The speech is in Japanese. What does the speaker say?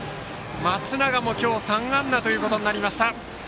松永も今日３安打となりました。